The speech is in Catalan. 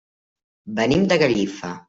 Venim de Gallifa.